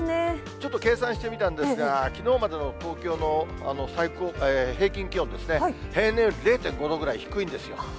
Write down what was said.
ちょっと計算してみたんですが、きのうまでの東京の平均気温ですね、平年より０．５度ぐらい低いんですよ。